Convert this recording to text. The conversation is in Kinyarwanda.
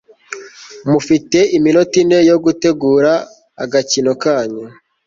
mufite iminota ine yo gutegura agakino kanyu